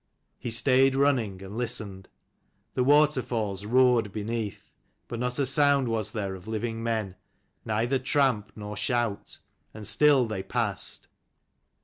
He stayed running, and listened. The waterfalls roared beneath : but not a sound was there of living men ; neither tramp nor shout : and still they passed.